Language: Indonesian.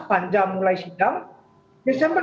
panjang mulai sidang desember